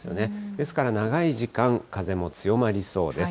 ですから長い時間、風も強まりそうです。